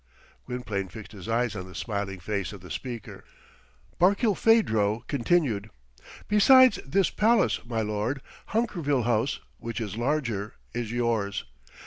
Gwynplaine fixed his eyes on the smiling face of the speaker. Barkilphedro continued: "Besides this palace, my lord, Hunkerville House, which is larger, is yours.